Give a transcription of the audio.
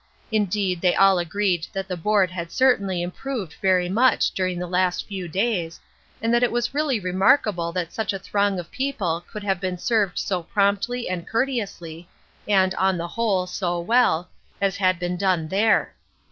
Indeed, they all agreed that the board had certainly improved very much during the last few days, and that it was really remarkable that such a throng of people could have been served so promptly and courteously, and on the whole, so well, as had been done there.